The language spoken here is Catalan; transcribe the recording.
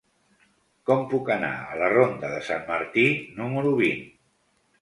Com puc anar a la ronda de Sant Martí número vint?